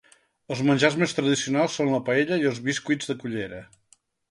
Els menjars més tradicionals són la paella i els bescuits de cullera.